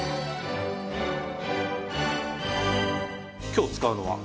今日使うのは？